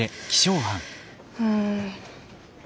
うん。